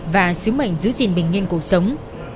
và sứ mệnh giữ gìn bình yên cuộc sống